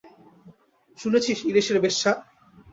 শুনেছিস, ইরিশের বেশ্যা?